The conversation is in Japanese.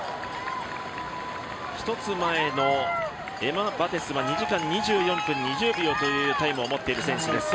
１つ前の、エマ・バテスは２時間２４分２０秒というタイムを持っている選手です。